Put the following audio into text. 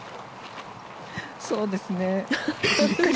そうですね。